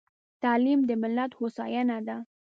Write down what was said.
تعليم د ملت هوساينه ده.